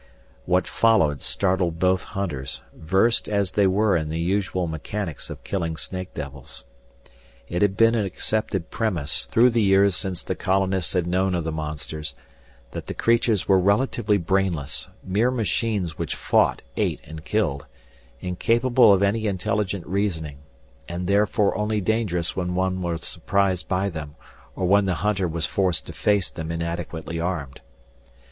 What followed startled both hunters, versed as they were in the usual mechanics of killing snake devils. It had been an accepted premise, through the years since the colonists had known of the monsters, that the creatures were relatively brainless, mere machines which fought, ate, and killed, incapable of any intelligent reasoning, and therefore only dangerous when one was surprised by them or when the hunter was forced to face them inadequately armed.